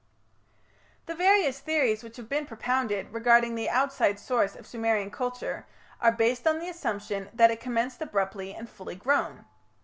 The various theories which have been propounded regarding the outside source of Sumerian culture are based on the assumption that it commenced abruptly and full grown.